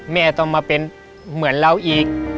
แม่ต้องมาเป็นเหมือนเราอีก